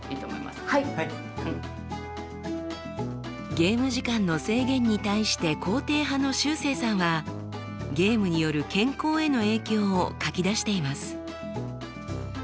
ゲーム時間の制限に対して肯定派のしゅうせいさんはゲームによる健康への影響を書き出しています。